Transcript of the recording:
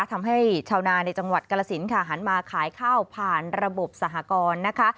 ทำให้ชาวนาในจังหวัดกรสินค่ะหันมาขายข้าวผ่านระบบสหกรณ์นะคะ